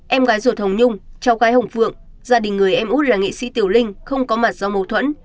em gái ruột hồng nhung cháu gái hồng phượng gia đình người em út là nghệ sĩ tiểu linh không có mặt do mâu thuẫn